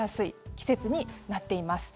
季節になっています。